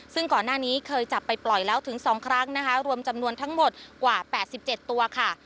ซึ่งก่อนหน้านี้เคยจับไปปล่อยแล้วถึง๒ครั้งนะคะรวมจำนวนทั้งหมดกว่า๘๗ตัวค่ะ